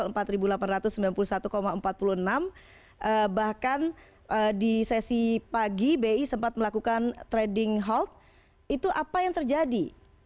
bahkan di sesi pagi bi sempat melakukan trading hold itu apa yang terjadi